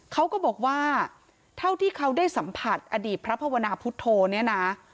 เขาก็บอกว่าเท่าที่เขาได้สัมผัสอดีตพระภาวนาพุทธโธเนี่ยนะ